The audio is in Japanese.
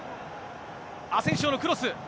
アセンシオのクロス。